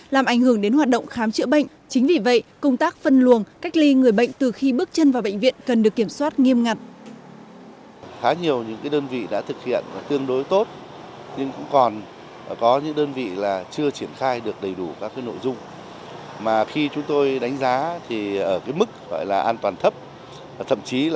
làm ảnh hưởng đến hoạt động khám chữa bệnh chính vì vậy công tác phân luồng cách ly người bệnh từ khi bước chân vào bệnh viện cần được kiểm soát nghiêm ngặt